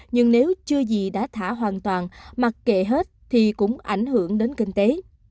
nhưng nếu chưa gì đã thả hoàn toàn mặc kệ hết thì cũng ảnh hưởng đến kinh tế